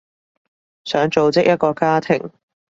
想組織一個家庭